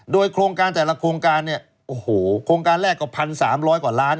โดยโครงการแต่ละโครงการเนี่ยโอ้โหโครงการแรกก็๑๓๐๐กว่าล้าน